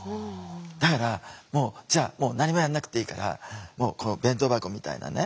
だからもうじゃあ何もやんなくていいからこの弁当箱みたいなね